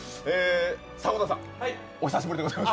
迫田さん、お久しぶりでございます。